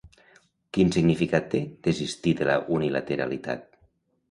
Quin significat té desistir de la unilateralitat?